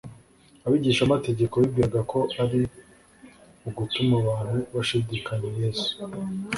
Abigishamategeko bibwiraga ko ari ugutuma abantu bashidikanya Yesu.